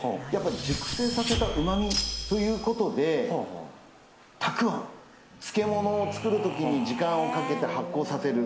熟成させたうまみということでたくあん、漬物を作る時に時間をかけて発酵させる